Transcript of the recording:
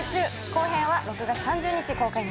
後編は６月３０日公開になります。